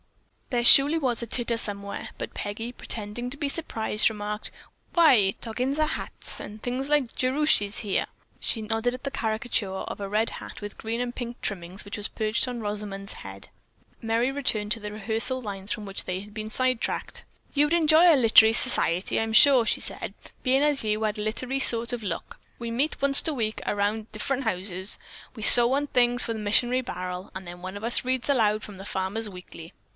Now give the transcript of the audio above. There surely was a titter somewhere; but Peggy, pretending to be surprised, remarked: "Why, toggins are hats and things like Jerushy's here." She nodded at the caricature of a red hat with green and pink trimmings which was perched on Rosamond's head. Merry returned to the rehearsal lines from which they had sidetracked. "Yew'd enjoy our Litery Saciety, I'm sure," she said, "bein' as yew have a litery sort of a look. We meet onct a week around at differunt houses. We sew on things for the missionary barrel, and then one of us reads aloud out of The Farmers' Weekly."